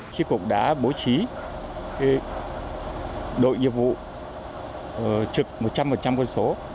chính phủ đã bố trí đội nhiệm vụ trực một trăm linh con số